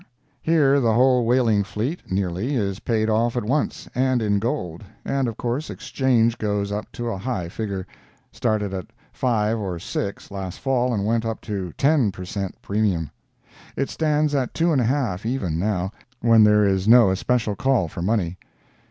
Here the whole whaling fleet, nearly, is paid off at once, and in gold, and of course exchange goes up to a high figure; started at five or six, last Fall, and went up to ten per cent premium. It stands at two and a half even now, when there is no especial call for money.